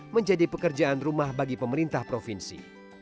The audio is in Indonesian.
menjadi pekerjaan rumah bagi pemerintah provinsi